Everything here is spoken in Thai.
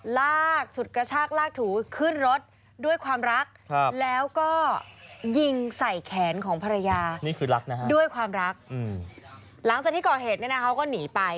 หลังจากที่ก่อเหตุเนี่ยนะครับเขาก็หนีไป